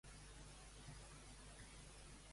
Ha dit qui són les persones amb qui s'ha trobat Sànchez?